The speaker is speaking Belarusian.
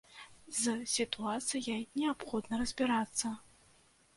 З сітуацыяй неабходна разбірацца.